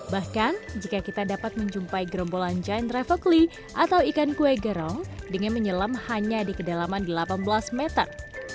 bahkan jika kita dapat menjumpai gerombolan jane travely atau ikan kue gerong dengan menyelam hanya di kedalaman delapan belas meter